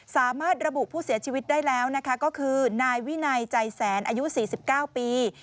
สามารถระบุผู้เสียชีวิตได้แล้วนะคะก็คือนายวินัยใจแสนอายุ๔๙ปี